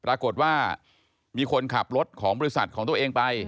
ปรากฏว่ามีคนขับรถของบริษัทของตัวเองไป